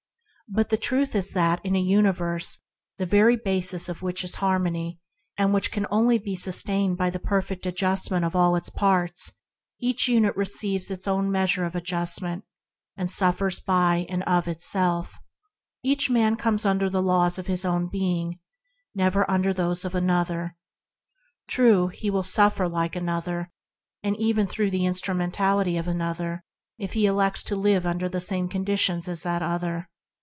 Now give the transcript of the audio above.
But the truth is that in a uni verse the very basis of which is harmony, which can only be sustained by the perfect adjustment of all its parts, each unit receives its own measure of adjustment, COMPETITIVE LAWS AND LAW OF LOVE 31 and suffers by and of itself. Each man comes under the laws of his own being, never under those of another. True, he will suffer like another and even through the instrumentality of another, if he elects to live under the same conditions as that other.